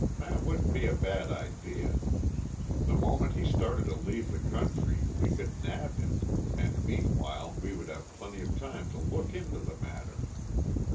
That wouldn't be a bad idea. The moment he started to leave the country we could nab him, and meanwhile we would have plenty of time to look into the matter.